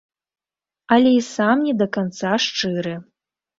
Але і сам не да канца шчыры.